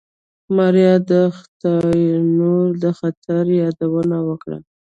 ماريا د خداينور د خطر يادونه وکړه.